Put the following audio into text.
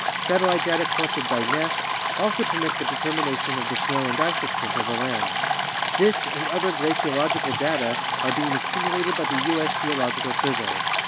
Satellite data collected by ness also permit the determination of the snow and ice extent over land; this and other glaciological data are being accumulated by the U.S. Geological Survey.